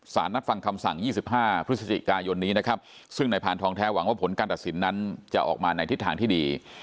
นัดฟังคำสั่ง๒๕พฤศจิกายนนี้นะครับซึ่งนายพานทองแท้หวังว่าผลการตัดสินนั้นจะออกมาในทิศทางที่ดี